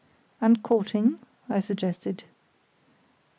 "And courting?" I suggested.